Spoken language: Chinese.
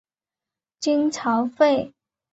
金朝废。